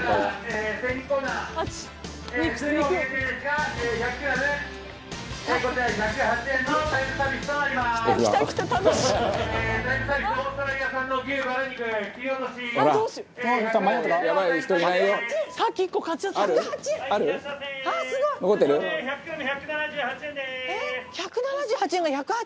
えっ１７８円が１０８？